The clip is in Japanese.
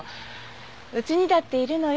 うちにだっているのよ